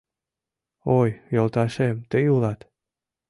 Ой, йолташем, тый улат.